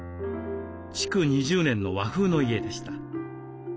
築２０年の和風の家でした。